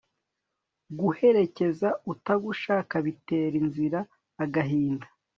guherekeza utagushaka bitera inzira agahinda